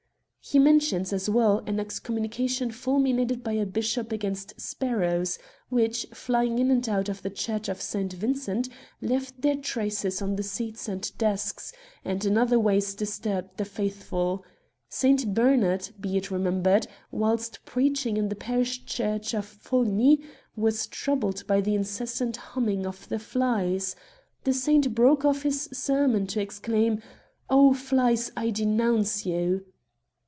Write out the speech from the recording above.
He mentions, as well, an excommunication ful minated by a bishop against sparrows, which, flying in and out of the church of S. Vincent, left their traces on the seats and desks, and in other ways disturbed the faithful. Saint Bernard, be it remem bered, whilst preaching in the parish church of Foligny, was troubled by the incessant humming of the flies. The saint broke off* his sermon to exclaim, *' O flies ! I denounce you